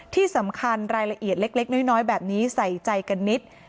ที่สำคัญรายละเอียดเล็กน้อยแบบนี้ใส่ใจกันนิด